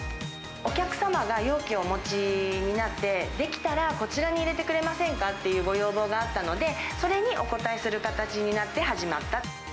お客様が容器をお持ちになって、できたら、こちらに入れてくれませんかっていうご要望があったので、それにお応えする形になって始まった。